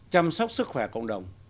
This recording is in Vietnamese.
chăm sóc sức khỏe cộng đồng